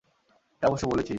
এটা অবশ্য বলেছি।